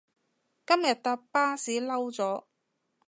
今日搭巴士嬲咗